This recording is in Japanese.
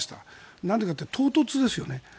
なんでかというと唐突ですよね。